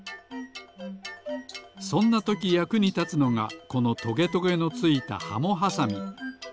そんなときやくにたつのがこのトゲトゲのついたハモはさみ。